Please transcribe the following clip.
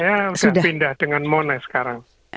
saya sudah pindah dengan mones sekarang